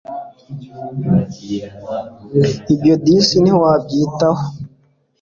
ibyo disi we ntiwabyitaho